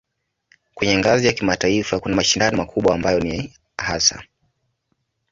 Kwenye ngazi ya kimataifa kuna mashindano makubwa ambayo ni hasa